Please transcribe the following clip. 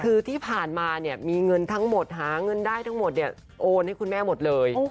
คือที่ผ่านมาเนี่ยมีเงินทั้งหมดหาเงินได้ทั้งหมดเนี่ยโอนให้คุณแม่หมดเลย